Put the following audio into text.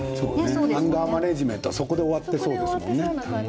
アンガーマネージメントそこで終わってそうですよね。